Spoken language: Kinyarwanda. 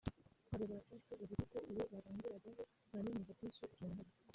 Aba bafashwe bavuga ko uwo baranguragaho nta nyemezabwishyu yabahaga